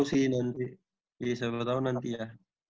siapa tau nanti ya